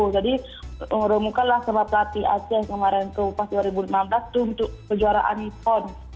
jadi rumuhkanlah sebab latihan asean kemarin tuh pas dua ribu lima belas tuh untuk kejuaraan pon